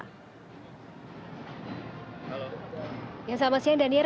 halo selamat siang daniel